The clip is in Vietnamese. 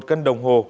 một cân đồng hồ